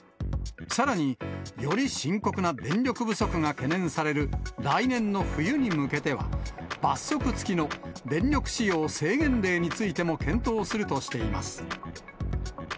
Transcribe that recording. さらに、より深刻な電力不足が懸念される来年の冬に向けては、罰則付きの電力使用制限令についても検討するとしています。